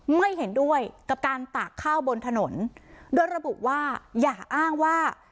ไม่เห็นด้วยกับการตากข้าวบนถนนโดยระบุว่าอย่าอ้างว่า